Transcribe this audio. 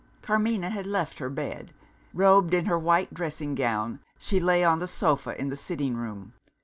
Carmina had left her bed. Robed in her white dressing gown, she lay on the sofa in the sitting room.